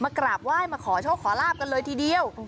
กราบไหว้มาขอโชคขอลาบกันเลยทีเดียว